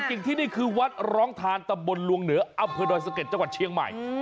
จริงที่นี่คือวัดร้องทานตำบลลวงเหนืออำเภอดอยสะเก็ดจังหวัดเชียงใหม่